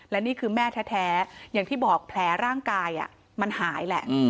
และนี่คือแม่แท้อย่างที่บอกแผลร่างกายมันหายแหละ